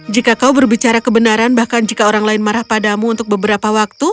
jika kau berbicara kebenaran bahkan jika orang lain marah padamu untuk beberapa waktu